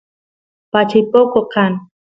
pachay poco kan